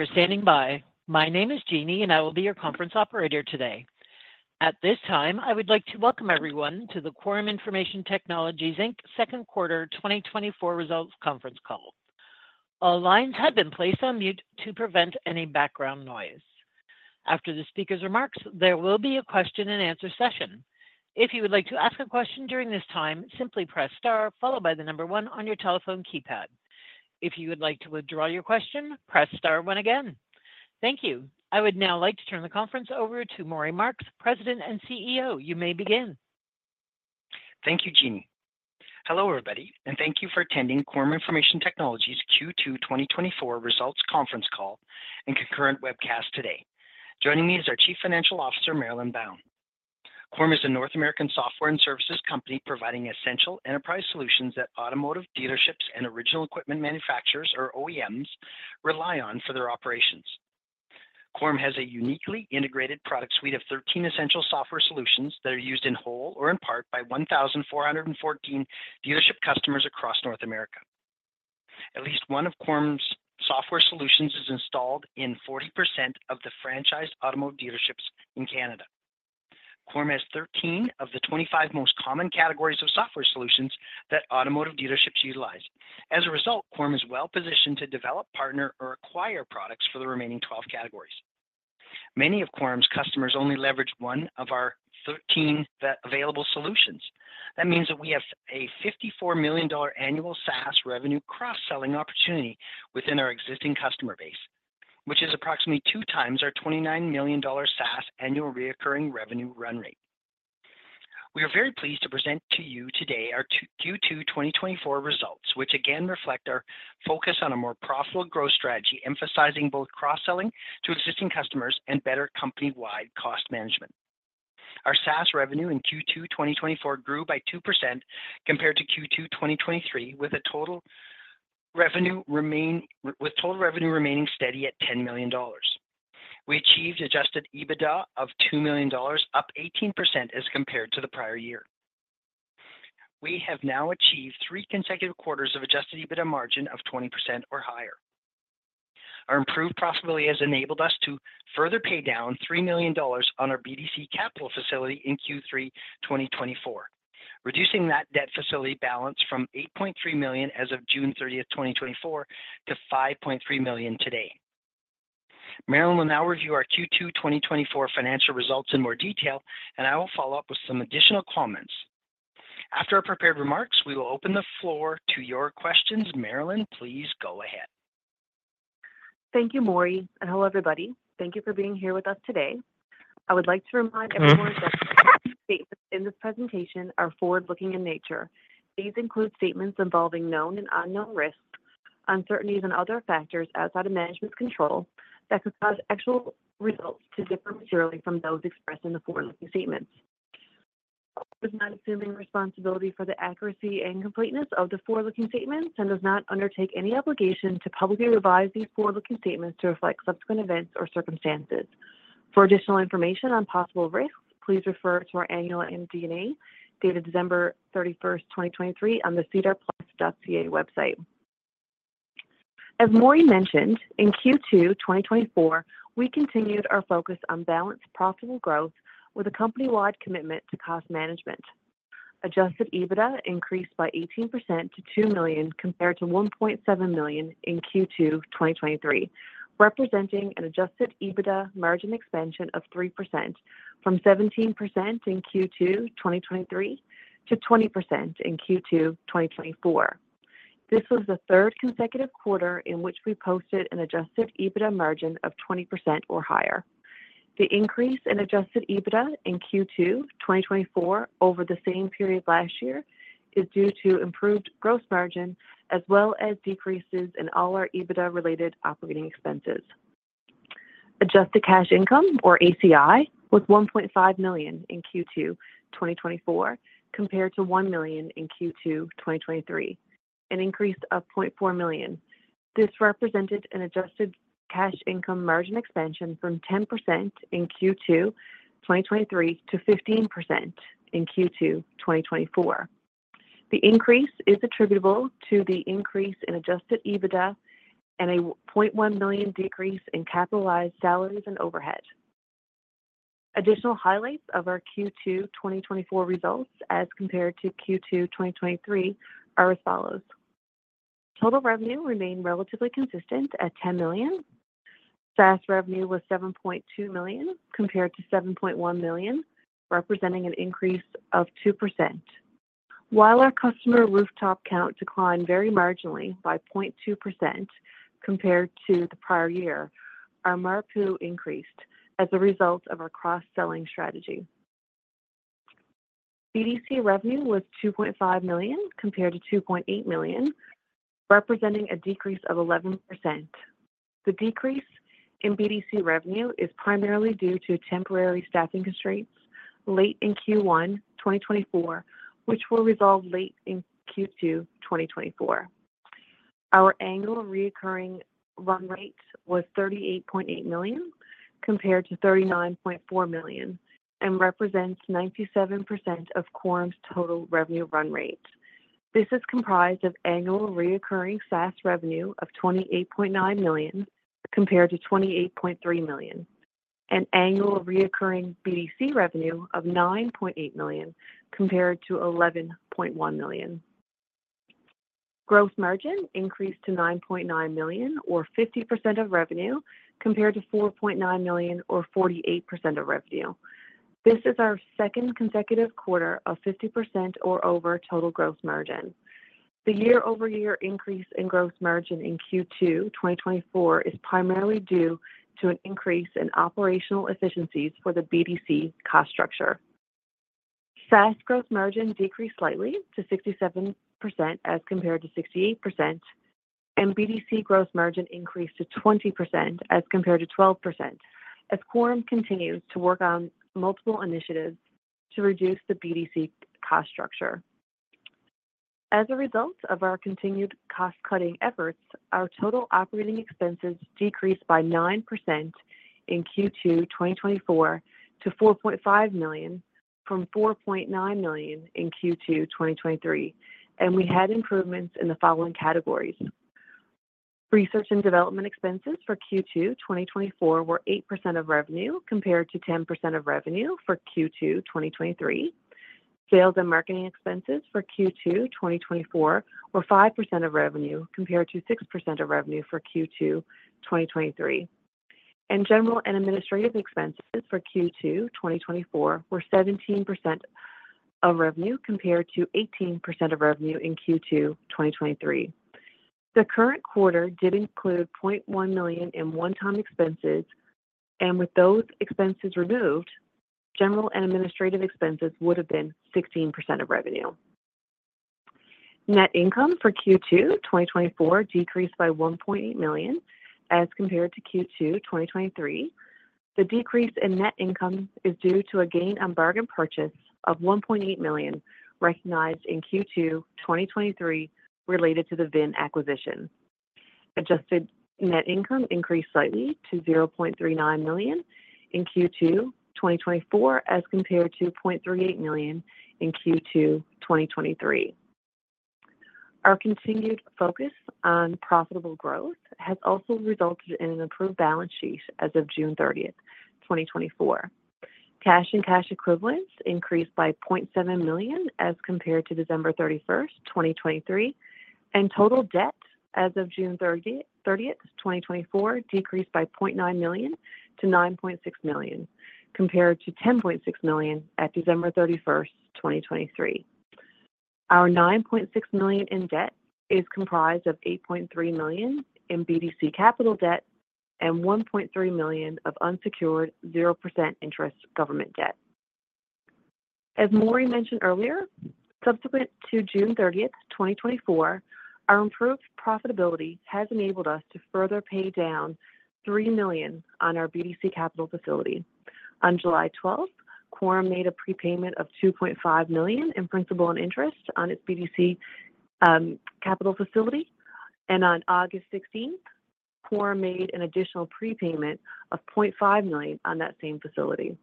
Thank you for standing by. My name is Jeannie, and I will be your conference operator today. At this time, I would like to welcome everyone to the Quorum Information Technologies, Inc., second quarter twenty twenty-four results conference call. All lines have been placed on mute to prevent any background noise. After the speaker's remarks, there will be a question and answer session. If you would like to ask a question during this time, simply press Star, followed by the number one on your telephone keypad. If you would like to withdraw your question, press Star one again. Thank you. I would now like to turn the conference over to Maury Marks, President and CEO. You may begin. Thank you, Jeannie. Hello, everybody, and thank you for attending Quorum Information Technologies Q2 2024 Results Conference Call and concurrent webcast today. Joining me is our Chief Financial Officer, Marilyn Bown. Quorum is a North American software and services company providing essential enterprise solutions that automotive dealerships and original equipment manufacturers, or OEMs, rely on for their operations. Quorum has a uniquely integrated product suite of 13 essential software solutions that are used in whole or in part by 1,414 dealership customers across North America. At least one of Quorum's software solutions is installed in 40% of the franchised automotive dealerships in Canada. Quorum has 13 of the 25 most common categories of software solutions that automotive dealerships utilize. As a result, Quorum is well-positioned to develop, partner, or acquire products for the remaining 12 categories. Many of Quorum's customers only leverage one of our 13 of the available solutions. That means that we have a 54 million dollar annual SaaS revenue cross-selling opportunity within our existing customer base, which is approximately two times our 29 million dollar SaaS annual recurring revenue run rate. We are very pleased to present to you today our Q2 2024 results, which again reflect our focus on a more profitable growth strategy, emphasizing both cross-selling to existing customers and better company-wide cost management. Our SaaS revenue in Q2 2024 grew by 2% compared to Q2 2023, with total revenue remaining steady at 10 million dollars. We achieved adjusted EBITDA of 2 million dollars, up 18% as compared to the prior year. We have now achieved three consecutive quarters of adjusted EBITDA margin of 20% or higher. Our improved profitability has enabled us to further pay down 3,000,000 dollars on our BDC Capital facility in Q3 2024, reducing that debt facility balance from 8.3 million as of June 30, 2024, to 5.3 million today. Marilyn will now review our Q2 2024 financial results in more detail, and I will follow up with some additional comments. After our prepared remarks, we will open the floor to your questions. Marilyn, please go ahead. Thank you, Maury, and hello, everybody. Thank you for being here with us today. I would like to remind everyone that statements in this presentation are forward-looking in nature. These include statements involving known and unknown risks, uncertainties and other factors outside of management's control that could cause actual results to differ materially from those expressed in the forward-looking statements. Does not assume responsibility for the accuracy and completeness of the forward-looking statements and does not undertake any obligation to publicly revise these forward-looking statements to reflect subsequent events or circumstances. For additional information on possible risks, please refer to our annual MD&A, dated December thirty-first, 2023, on the sedarplus.ca website. As Maury mentioned, in Q2 2024, we continued our focus on balanced, profitable growth with a company-wide commitment to cost management. Adjusted EBITDA increased by 18% to 2 million, compared to 1.7 million in Q2 2023, representing an adjusted EBITDA margin expansion of 3% from 17% in Q2 2023 to 20% in Q2 2024. This was the third consecutive quarter in which we posted an adjusted EBITDA margin of 20% or higher. The increase in adjusted EBITDA in Q2 2024 over the same period last year is due to improved gross margin, as well as decreases in all our EBITDA-related operating expenses. Adjusted cash income, or ACI, was 1.5 million in Q2 2024, compared to 1 million in Q2 2023, an increase of 0.4 million. This represented an adjusted cash income margin expansion from 10% in Q2 2023 to 15% in Q2 2024. The increase is attributable to the increase in Adjusted EBITDA and a 0.1 million decrease in Capitalized Salaries and Overhead. Additional highlights of our Q2 2024 results as compared to Q2 2023 are as follows: Total revenue remained relatively consistent at 10 million. SaaS revenue was 7.2 million, compared to 7.1 million, representing an increase of 2%. While our customer rooftop count declined very marginally by 0.2% compared to the prior year, our MRPU increased as a result of our cross-selling strategy. BDC revenue was 2.5 million, compared to 2.8 million, representing a decrease of 11%. The decrease in BDC revenue is primarily due to temporary staffing constraints late in Q1 2024, which will resolve late in Q2 2024. Our annual recurring run rate was 38.8 million, compared to 39.4 million, and represents 97% of Quorum's total revenue run rate. This is comprised of annual recurring SaaS revenue of 28.9 million, compared to 28.3 million, and annual recurring BDC revenue of 9.8 million, compared to 11.1 million. Gross margin increased to 9.9 million or 50% of revenue, compared to 4.9 million or 48% of revenue. This is our second consecutive quarter of 50% or over total gross margin. The year-over-year increase in gross margin in Q2 2024 is primarily due to an increase in operational efficiencies for the BDC cost structure. SaaS gross margin decreased slightly to 67% as compared to 68%, and BDC gross margin increased to 20% as compared to 12%, as Quorum continues to work on multiple initiatives to reduce the BDC cost structure. As a result of our continued cost-cutting efforts, our total operating expenses decreased by 9% in Q2 2024 to 4.5 million from 4.9 million in Q2 2023, and we had improvements in the following categories. Research and development expenses for Q2 2024 were 8% of revenue, compared to 10% of revenue for Q2 2023. Sales and marketing expenses for Q2 2024 were 5% of revenue, compared to 6% of revenue for Q2 2023. General and administrative expenses for Q2 2024 were 17% of revenue, compared to 18% of revenue in Q2 2023. The current quarter did include 0.1 million in one-time expenses, and with those expenses removed, general and administrative expenses would have been 16% of revenue. Net income for Q2 2024 decreased by 1.8 million as compared to Q2 2023. The decrease in net income is due to a gain on bargain purchase of 1.8 million recognized in Q2 2023 related to the ASI acquisition. Adjusted net income increased slightly to 0.39 million in Q2 2024, as compared to 0.38 million in Q2 2023. Our continued focus on profitable growth has also resulted in an improved balance sheet as of June thirtieth, 2024. Cash and cash equivalents increased by 0.7 million as compared to December thirty-first, 2023, and total debt as of June thirtieth, 2024, decreased by 0.9 million to 9.6 million, compared to 10.6 million at December thirty-first, 2023. Our 9.6 million in debt is comprised of 8.3 million in BDC capital debt and 1.3 million of unsecured 0% interest government debt. As Maury mentioned earlier, subsequent to June thirtieth, 2024, our improved profitability has enabled us to further pay down 3 million on our BDC Capital facility. On July twelfth, Quorum made a prepayment of 2.5 million in principal and interest on its BDC Capital facility, and on August sixteenth, Quorum made an additional prepayment of 0.5 million on that same facility.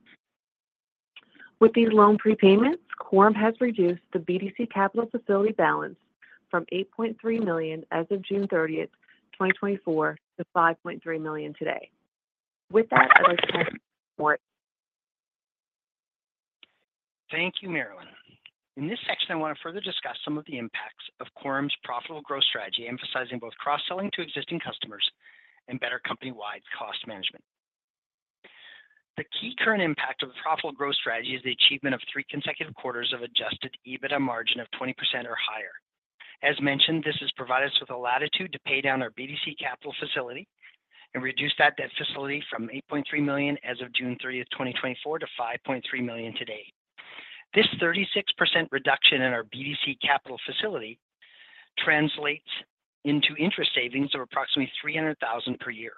With these loan prepayments, Quorum has reduced the BDC Capital facility balance from 8.3 million as of June thirtieth, twenty twenty-four, to 5.3 million today. With that, I will turn it to Maury. Thank you, Marilyn. In this section, I want to further discuss some of the impacts of Quorum's profitable growth strategy, emphasizing both cross-selling to existing customers and better company-wide cost management. The key current impact of the profitable growth strategy is the achievement of three consecutive quarters of adjusted EBITDA margin of 20% or higher. As mentioned, this has provided us with a latitude to pay down our BDC Capital facility and reduce that debt facility from 8.3 million as of June thirtieth, 2024, to 5.3 million today. This 36% reduction in our BDC Capital facility translates into interest savings of approximately 300,000 per year.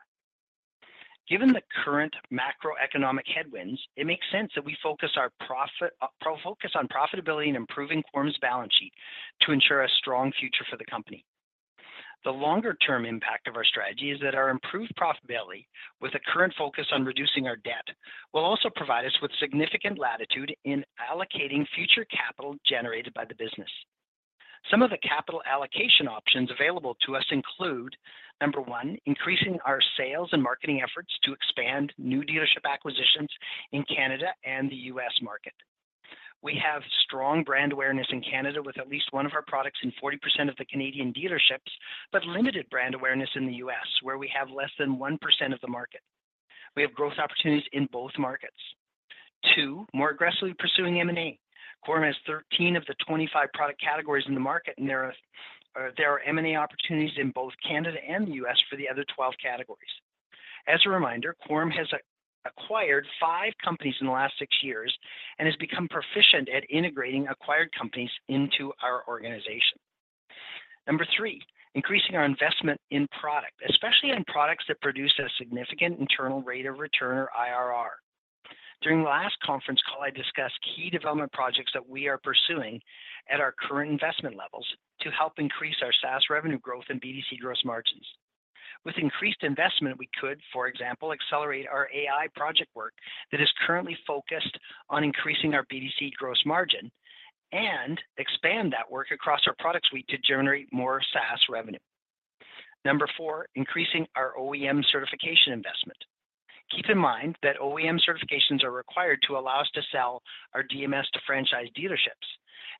Given the current macroeconomic headwinds, it makes sense that we focus on profitability and improving Quorum's balance sheet to ensure a strong future for the company. The longer term impact of our strategy is that our improved profitability, with a current focus on reducing our debt, will also provide us with significant latitude in allocating future capital generated by the business. Some of the capital allocation options available to us include, number one, increasing our sales and marketing efforts to expand new dealership acquisitions in Canada and the US market. We have strong brand awareness in Canada, with at least one of our products in 40% of the Canadian dealerships, but limited brand awareness in the US, where we have less than 1% of the market. We have growth opportunities in both markets. Two, more aggressively pursuing M&A. Quorum has 13 of the 25 product categories in the market, and there are M&A opportunities in both Canada and the US for the other 12 categories. As a reminder, Quorum has acquired five companies in the last six years and has become proficient at integrating acquired companies into our organization. Number three, increasing our investment in product, especially in products that produce a significant internal rate of return or IRR. During the last conference call, I discussed key development projects that we are pursuing at our current investment levels to help increase our SaaS revenue growth and BDC gross margins. With increased investment, we could, for example, accelerate our AI project work that is currently focused on increasing our BDC gross margin and expand that work across our product suite to generate more SaaS revenue. Number four, increasing our OEM certification investment. Keep in mind that OEM certifications are required to allow us to sell our DMS to franchise dealerships,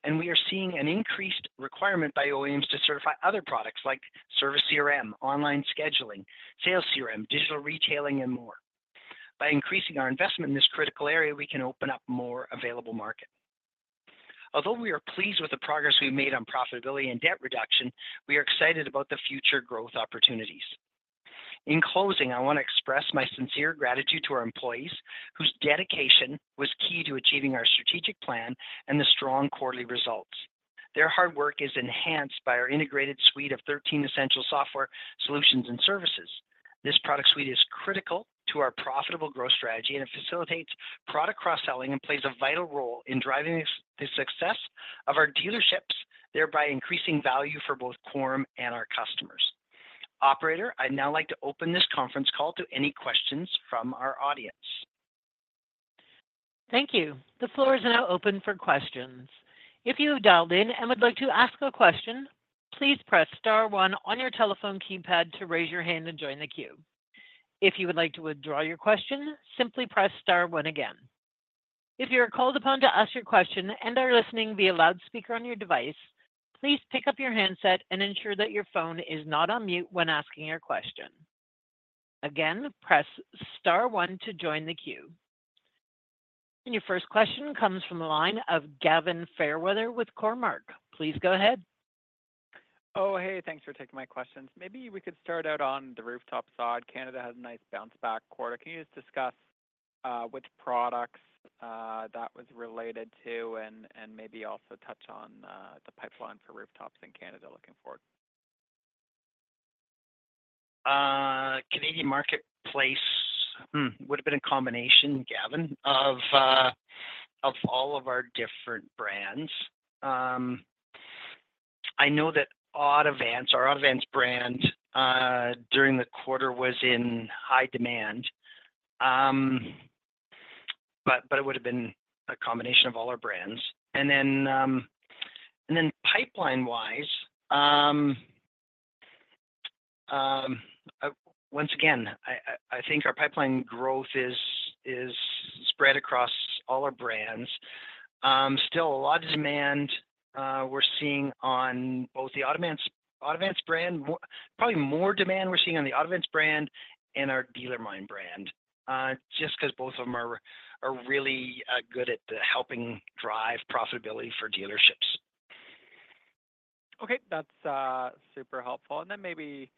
and we are seeing an increased requirement by OEMs to certify other products like service CRM, online scheduling, sales CRM, digital retailing, and more. By increasing our investment in this critical area, we can open up more available market. Although we are pleased with the progress we've made on profitability and debt reduction, we are excited about the future growth opportunities. In closing, I wanna express my sincere gratitude to our employees, whose dedication was key to achieving our strategic plan and the strong quarterly results. Their hard work is enhanced by our integrated suite of 13 essential software solutions and services. This product suite is critical to our profitable growth strategy, and it facilitates product cross-selling and plays a vital role in driving the success of our dealerships, thereby increasing value for both Quorum and our customers. Operator, I'd now like to open this conference call to any questions from our audience. Thank you. The floor is now open for questions. If you have dialed in and would like to ask a question, please press star one on your telephone keypad to raise your hand and join the queue. If you would like to withdraw your question, simply press star one again. If you're called upon to ask your question and are listening via loudspeaker on your device, please pick up your handset and ensure that your phone is not on mute when asking your question. Again, press star one to join the queue. And your first question comes from the line of Gavin Fairweather with Cormark. Please go ahead. Oh, hey, thanks for taking my questions. Maybe we could start out on the rooftop side. Canada has a nice bounce-back quarter. Can you just discuss which products that was related to and maybe also touch on the pipeline for rooftops in Canada looking forward? Canadian marketplace would've been a combination, Gavin, of all of our different brands. I know that Autovance, our Autovance brand, during the quarter was in high demand, but it would've been a combination of all our brands, and then pipeline-wise, once again, I think our pipeline growth is spread across all our brands. Still a lot of demand we're seeing on both the Autovance brand. Probably more demand we're seeing on the Autovance brand and our DealerMine brand, just 'cause both of them are really good at helping drive profitability for dealerships. Okay, that's super helpful. And then maybe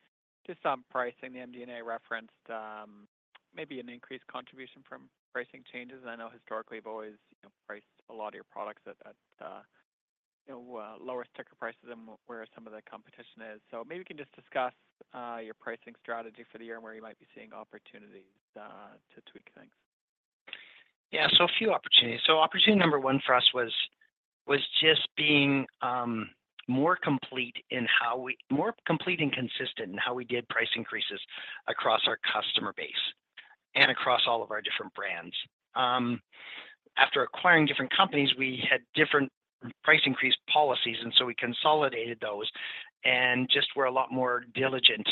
just on pricing, the MD&A referenced maybe an increased contribution from pricing changes. I know historically, you've always, you know, priced a lot of your products at lower sticker prices than where some of the competition is. So maybe you can just discuss your pricing strategy for the year and where you might be seeing opportunities to tweak things. Yeah, so a few opportunities. So opportunity number one for us was just being more complete and consistent in how we did price increases across our customer base and across all of our different brands. After acquiring different companies, we had different price increase policies, and so we consolidated those and just we're a lot more diligent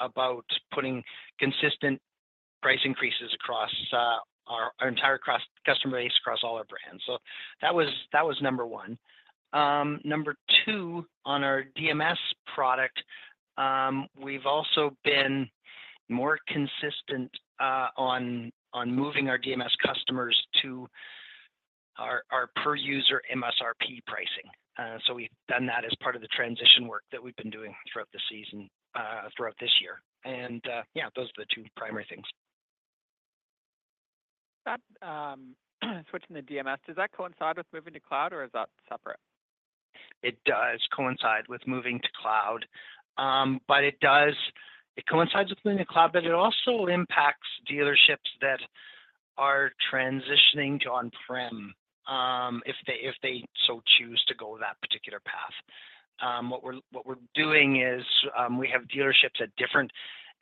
about putting consistent price increases across our entire cross-customer base, across all our brands. So that was number one. Number two, on our DMS product, we've also been more consistent on moving our DMS customers to our per user MSRP pricing. So we've done that as part of the transition work that we've been doing throughout the season, throughout this year. And yeah, those are the two primary things. That, switching to DMS, does that coincide with moving to cloud or is that separate? It does coincide with moving to cloud, but it also impacts dealerships that are transitioning to on-prem, if they so choose to go that particular path. What we're doing is, we have dealerships at different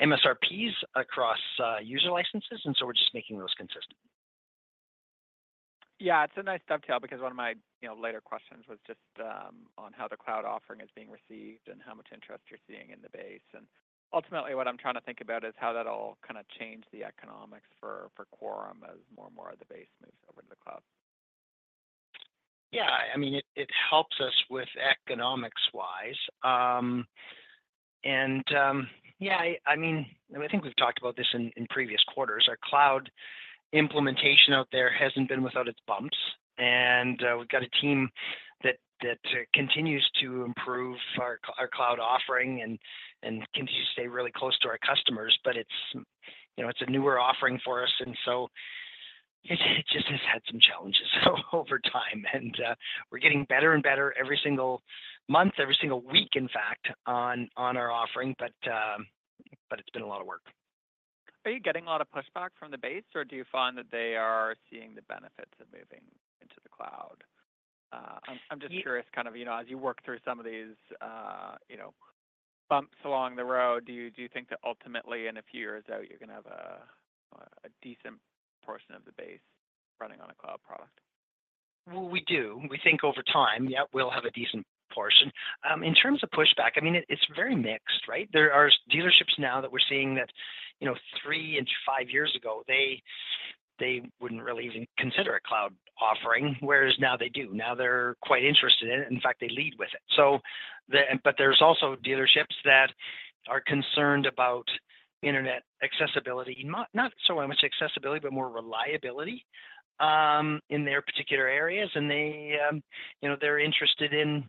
MSRPs across user licenses, and so we're just making those consistent. Yeah, it's a nice dovetail because one of my, you know, later questions was just on how the cloud offering is being received and how much interest you're seeing in the base. And ultimately, what I'm trying to think about is how that all kinda change the economics for Quorum as more and more of the base moves over to the cloud. Yeah, I mean, it helps us with economics-wise. And yeah, I mean, and I think we've talked about this in previous quarters. Our cloud implementation out there hasn't been without its bumps, and we've got a team that continues to improve our cloud offering and continues to stay really close to our customers, but it's, you know, it's a newer offering for us, and so it just has had some challenges over time. And we're getting better and better every single month, every single week, in fact, on our offering, but it's been a lot of work. ... Are you getting a lot of pushback from the base, or do you find that they are seeing the benefits of moving into the cloud? I'm just curious, kind of, you know, as you work through some of these, you know, bumps along the road, do you think that ultimately in a few years out, you're gonna have a decent portion of the base running on a cloud product? We do. We think over time, yeah, we'll have a decent portion. In terms of pushback, I mean, it's very mixed, right? There are dealerships now that we're seeing that, you know, three and five years ago, they wouldn't really even consider a cloud offering, whereas now they do. Now they're quite interested in it. In fact, they lead with it. But there's also dealerships that are concerned about internet accessibility, not so much accessibility, but more reliability in their particular areas. And they, you know, they're interested in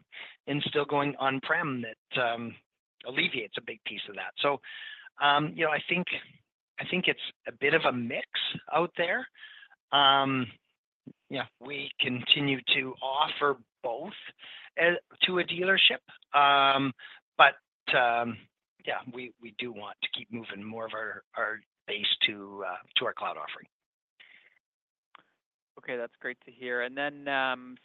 still going on-prem that alleviates a big piece of that. So, you know, I think it's a bit of a mix out there. Yeah, we continue to offer both to a dealership, but yeah, we do want to keep moving more of our base to our cloud offering. Okay, that's great to hear. And then,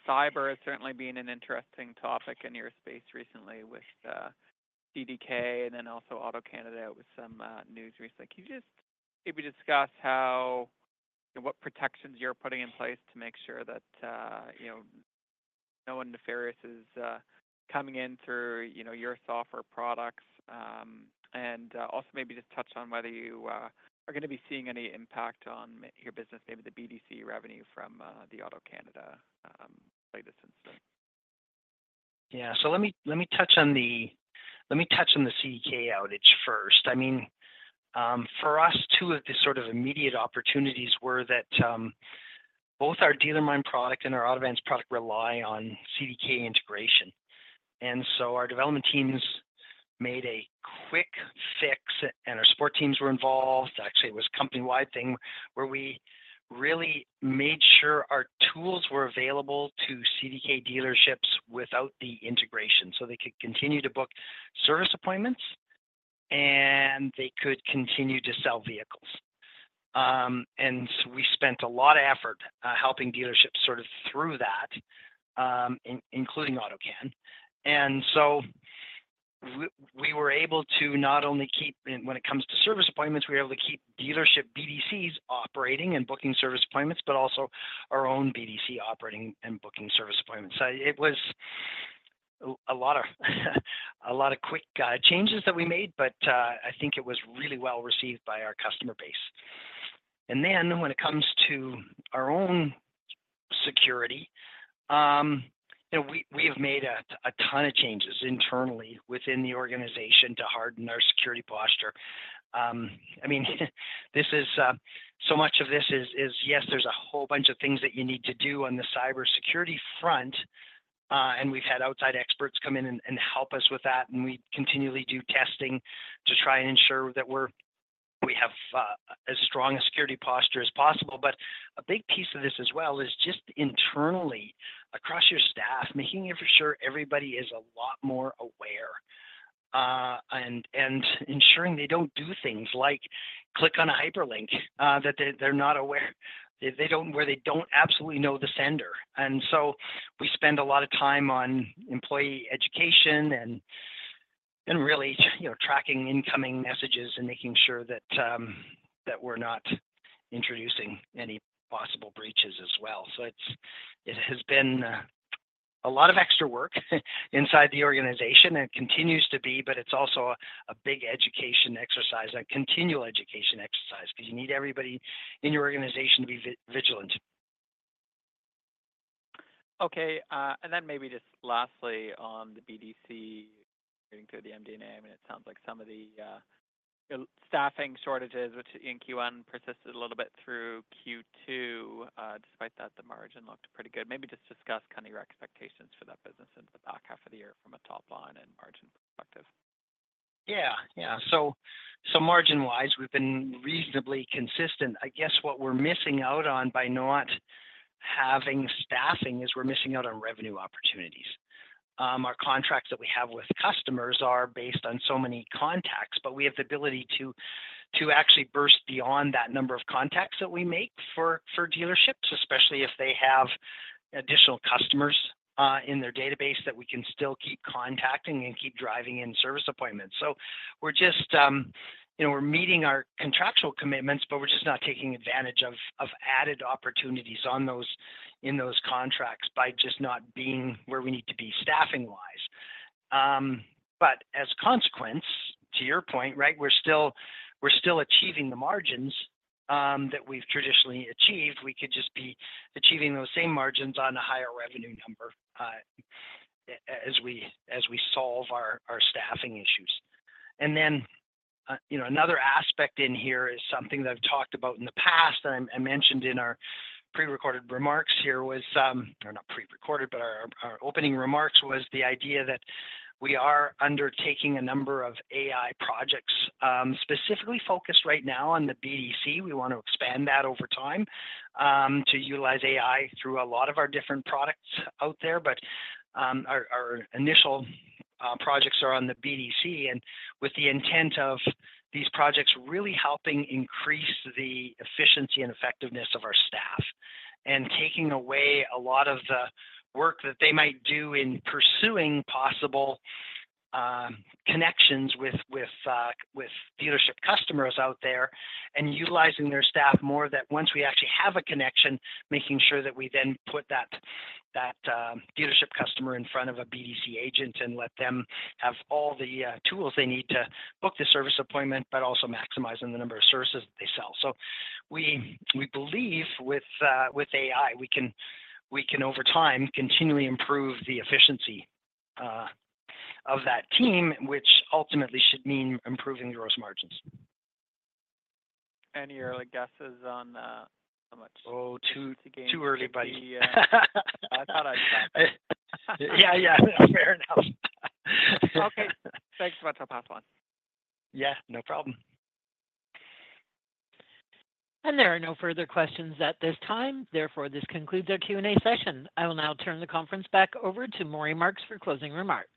cyber has certainly been an interesting topic in your space recently with CDK and then also AutoCanada with some news recently. Can you just maybe discuss how and what protections you're putting in place to make sure that, you know, no one nefarious is coming in through, you know, your software products? And also maybe just touch on whether you are gonna be seeing any impact on your business, maybe the BDC revenue from the AutoCanada latest incident? Yeah. So let me touch on the CDK outage first. I mean, for us, two of the sort of immediate opportunities were that both our DealerMine product and our Autovance product rely on CDK integration. And so our development teams made a quick fix, and our support teams were involved. Actually, it was a company-wide thing where we really made sure our tools were available to CDK dealerships without the integration, so they could continue to book service appointments, and they could continue to sell vehicles. And so we spent a lot of effort helping dealerships sort of through that, including AutoCanada. And so we were able to not only keep, and when it comes to service appointments, we were able to keep dealership BDCs operating and booking service appointments, but also our own BDC operating and booking service appointments. So it was a lot of quick changes that we made, but I think it was really well-received by our customer base. And then when it comes to our own security, you know, we have made a ton of changes internally within the organization to harden our security posture. I mean, this is so much of this is yes, there's a whole bunch of things that you need to do on the cybersecurity front, and we've had outside experts come in and help us with that, and we continually do testing to try and ensure that we have as strong a security posture as possible. But a big piece of this as well is just internally, across your staff, making sure everybody is a lot more aware, and ensuring they don't do things like click on a hyperlink that they're not aware where they don't absolutely know the sender. And so we spend a lot of time on employee education and really, you know, tracking incoming messages and making sure that we're not introducing any possible breaches as well. So it has been a lot of extra work inside the organization and continues to be, but it's also a big education exercise, a continual education exercise, 'cause you need everybody in your organization to be vigilant. Okay, and then maybe just lastly on the BDC, getting through the MD&A, I mean, it sounds like some of the staffing shortages, which in Q1 persisted a little bit through Q2, despite that, the margin looked pretty good. Maybe just discuss kind of your expectations for that business in the back half of the year from a top line and margin perspective. Yeah, yeah. So margin-wise, we've been reasonably consistent. I guess what we're missing out on by not having staffing is we're missing out on revenue opportunities. Our contracts that we have with customers are based on so many contacts, but we have the ability to actually burst beyond that number of contacts that we make for dealerships, especially if they have additional customers in their database that we can still keep contacting and keep driving in service appointments. So we're just, you know, we're meeting our contractual commitments, but we're just not taking advantage of added opportunities on those in those contracts by just not being where we need to be staffing-wise. But as a consequence, to your point, right, we're still achieving the margins that we've traditionally achieved. We could just be achieving those same margins on a higher revenue number, as we solve our staffing issues. And then, you know, another aspect in here is something that I've talked about in the past, and I mentioned in our pre-recorded remarks here was, or not pre-recorded, but our opening remarks was the idea that we are undertaking a number of AI projects, specifically focused right now on the BDC. We want to expand that over time, to utilize AI through a lot of our different products out there. But our initial projects are on the BDC, and with the intent of these projects really helping increase the efficiency and effectiveness of our staff, and taking away a lot of the work that they might do in pursuing possible connections with dealership customers out there, and utilizing their staff more, that once we actually have a connection, making sure that we then put that dealership customer in front of a BDC agent and let them have all the tools they need to book the service appointment, but also maximizing the number of services that they sell. So we believe with AI, we can over time continually improve the efficiency of that team, which ultimately should mean improving gross margins. Any early guesses on how much? Oh, too, too early, buddy. I thought I'd try. Yeah, yeah, fair enough. Okay, thanks so much. I'll pass on. Yeah, no problem. There are no further questions at this time. Therefore, this concludes our Q&A session. I will now turn the conference back over to Maury Marks for closing remarks.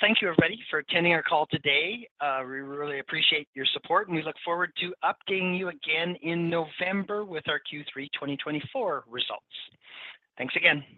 Thank you, everybody, for attending our call today. We really appreciate your support, and we look forward to updating you again in November with our Q3 2024 results. Thanks again.